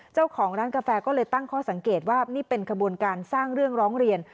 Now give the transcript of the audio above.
เจ้าของร้านกาแฟก็เลยตั้งข้อสังเกตว่านี่เป็นขบวนการสร้างเรื่องร้องเรียน